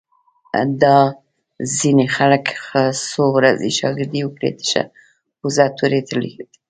دا ځینې خلک څو ورځې شاگردي وکړي، تشه پوزه توره کړي